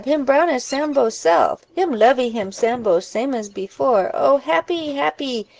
him brown as Sambo self! him lovee him Sambo same as before! Oh! happy! happy!